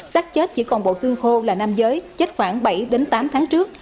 sắc chết chỉ còn bộ xương khô là nam giới chết khoảng bảy tám tháng trước